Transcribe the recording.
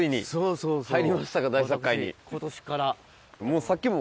今年から。